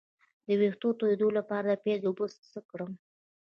د ویښتو تویدو لپاره د پیاز اوبه څه کړم؟